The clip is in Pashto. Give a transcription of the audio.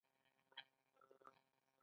ایا میوه به خورئ؟